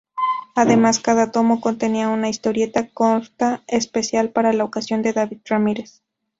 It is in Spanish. Además, cada tomo contenía una historieta corta especial para la ocasión de David Ramírez.